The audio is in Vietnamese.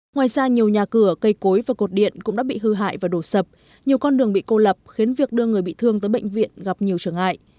ngoài ra nhiều nhà cửa cây cối và cột điện cũng đã bị hư hại và đổ sập nhiều con đường bị cô lập khiến việc đưa người bị thương tới bệnh viện gặp nhiều trở ngại